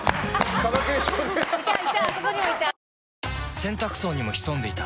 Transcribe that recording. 洗濯槽にも潜んでいた。